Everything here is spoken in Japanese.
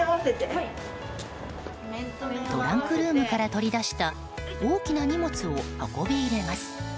トランクルームから取り出した大きな荷物を運び入れます。